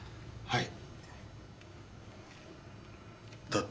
はい。